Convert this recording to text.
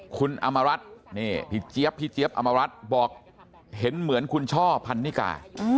คุณอำมารัฐพี่เจี๊ยบอำมารัฐบอกเห็นเหมือนคุณช่อพันนิกา